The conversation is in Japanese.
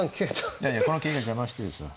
いやいやこの桂が邪魔してるんですよ。